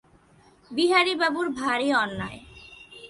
বিহারীবাবুর ভারি অন্যায়।